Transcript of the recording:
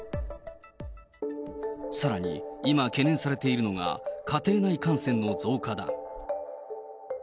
さらに、今懸念されているのが、家庭内感染の増加だ。